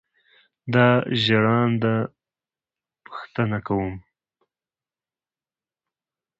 دا ژړاند پوښتنه کوم.